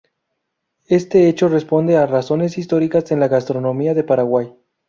Este hecho responde a razones históricas en la gastronomía de Paraguay.